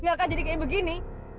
nggak akan jadi kayak begini